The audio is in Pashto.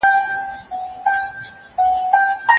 افغانستان د بهرنیو پانګوالو د وتلو لامل نه ګرځي.